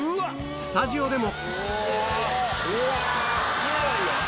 スタジオでも！